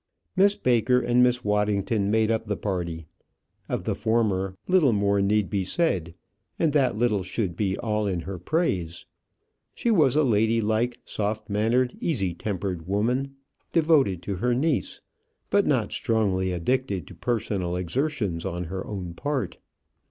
Miss Baker and Miss Waddington made up the party. Of the former, little more need be said, and that little should be all in her praise. She was a lady like, soft mannered, easy tempered woman, devoted to her niece, but not strongly addicted to personal exertions on her own part.